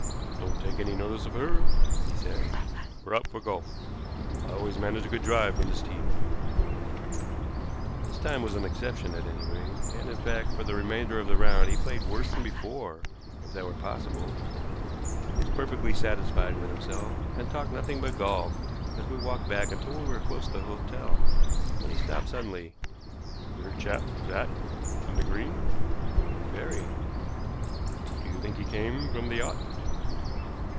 "Don't take any notice of her," he said. "We're out for golf. I always manage a good drive from this tee." This time was an exception, at any rate, and, in fact, for the remainder of the round he played worse than before, if that were possible. But he was perfectly satisfied with himself, and talked nothing but golf as we walked back, until we were close to the hotel, when he stopped suddenly. "Queer chap, that, on the green." "Very." "Do you think he came from the yacht?"